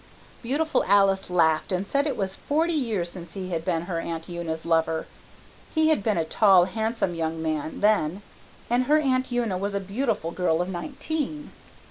"Beautiful Alice laughed and said it was forty years since he had been her Aunt Una's lover. He had been a tall, handsome young man then, and her Aunt Una was a beautiful girl of nineteen.